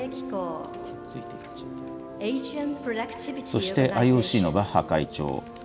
そしてＩＯＣのバッハ会長。